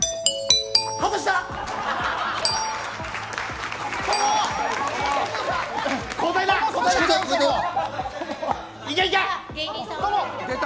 外した！